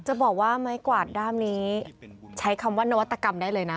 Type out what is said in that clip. จะบอกว่าไม้กวาดด้ามนี้ใช้คำว่านวัตกรรมได้เลยนะ